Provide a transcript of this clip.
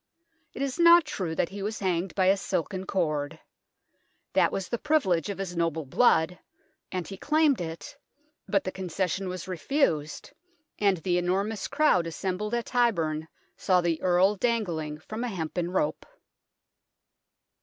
It is not true that he was hanged by a silken cord. That was the privilege of his noble blood, and he claimed it, but the con cession was refused, and the enormous crowd assembled at Tyburn saw the Earl dangling from a hempen rope.